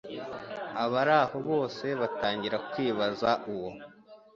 abari aho bose batangira kwibaza uwo